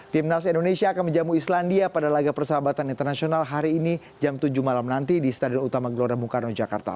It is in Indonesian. timnas indonesia akan menjamu islandia pada laga persahabatan internasional hari ini jam tujuh malam nanti di stadion utama gelora bung karno jakarta